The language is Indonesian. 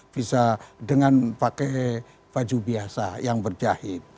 bisa dengan pakai baju biasa yang berjahit